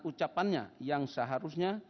ucapannya yang seharusnya